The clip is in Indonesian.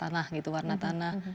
tanah gitu warna tanah